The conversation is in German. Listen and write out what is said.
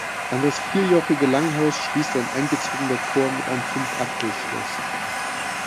An das vierjochige Langhaus schließt ein eingezogener Chor mit einem Fünfachtelschluss.